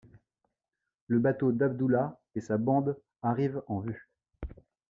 Le bateau d'Abdoullah et sa bande arrive en vue.